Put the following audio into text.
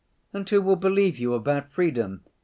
And who will believe you about freedom?